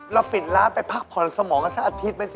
ปิดร้านไปพักผ่อนสมองกันสักอาทิตย์ไหมจ